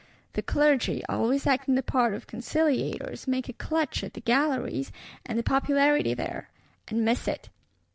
The Clergy, always acting the part of conciliators, make a clutch at the Galleries, and the popularity there; and miss it.